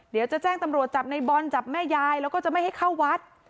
เดี๋ยวจะแจ้งตำรวจจับในบอลจับแม่ยายแล้วก็จะไม่ให้เข้าวัด